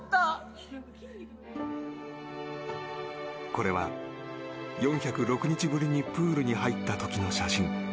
これは４０６日ぶりにプールに入った時の写真。